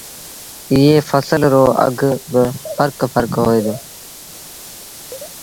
ايئي ڦسل رو اگھ با ڦرڪ ڦرڪ هوئي دو